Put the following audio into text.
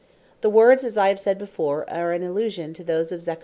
The words, as I have said before, are an allusion to those of Zach.